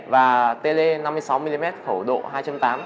và tele năm mươi sáu mm khẩu độ f hai tám